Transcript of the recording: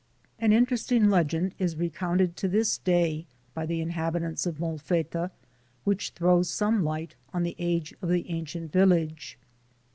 An interesting legend is recounted to this day by the inhabitants of Molfetta, which throws some light on the age of the ancient village.